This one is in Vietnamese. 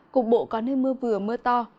cục bộ có nơi mưa vừa mưa to